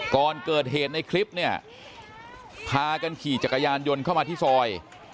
ก่อนเกิดเหตุในคลิปเนี่ยพากันขี่จักรยานยนต์เข้ามาที่ซอย